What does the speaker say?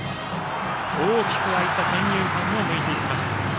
大きく空いた三遊間を抜いていきました。